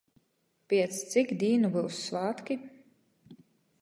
Piec cik dīnu byus svātki?